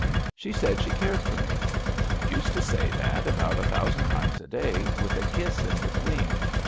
She said she cared for me. Used to say that about a thousand times a day, with a kiss in between.